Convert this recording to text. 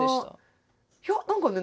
いや何かね